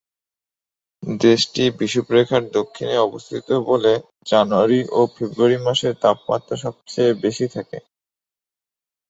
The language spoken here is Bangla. দেশটি বিষুবরেখার দক্ষিণে অবস্থিত বলে জানুয়ারি ও ফেব্রুয়ারি মাসে তাপমাত্রা সবচেয়ে বেশি থাকে।